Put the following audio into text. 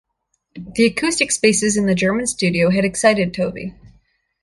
The acoustic spaces in the German studio had excited Tovey.